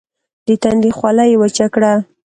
د تندي خوله يې وچه کړه.